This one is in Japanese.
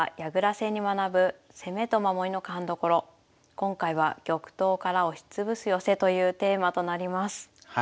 今回は「玉頭から押しつぶす寄せ」というテーマとなります。